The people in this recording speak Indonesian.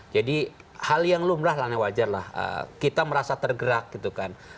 jadi hal yang lumrah lah wajarlah kita merasa tergerak gitu kan